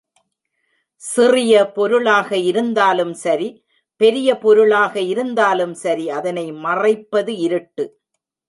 சிறிய பொருளாக இருந்தாலும் சரி, பெரிய பொருளாக இருந்தாலும் சரி அதனை மறைப்பது இருட்டு.